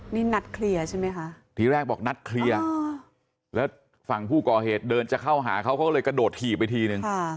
นี่นัดเคลียร์ใช่ไหมคะทีแรกบอกนัดเคลียร์แล้วฝั่งผู้ก่อเหตุเดินจะเข้าหาเขาเขาก็เลยกระโดดถี่ไปทีนึง